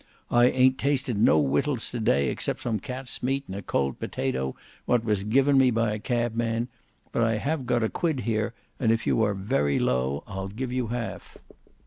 I ain't tasted no wittals to day except some cat's meat and a cold potatoe what was given me by a cabman; but I have got a quid here, and if you are very low I'll give you half."